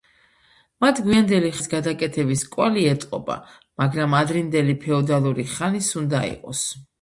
მათ გვიანდელი ხანის გადაკეთების კვალი ეტყობა, მაგრამ ადრინდელი ფეოდალური ხანის უნდა იყოს.